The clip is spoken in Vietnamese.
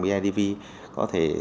bidv có thể